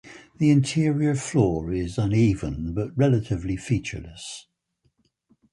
The interior floor is uneven but relatively featureless.